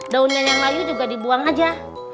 daunnya yang layu juga dibuang aja